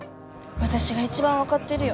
私が一番分かってるよ